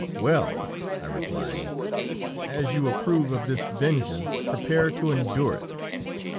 "'Well,' I replied, 'as you approve of this vengeance, prepare to endure it.'